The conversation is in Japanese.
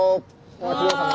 お待ちどうさま。